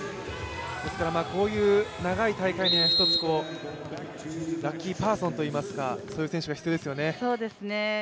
こういう長い大会には一つラッキーパーソンといいますかそういう選手が必要ですよね。